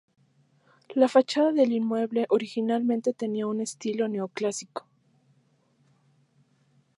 La fachada del inmueble originalmente tenía un estilo neoclásico.